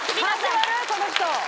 この人！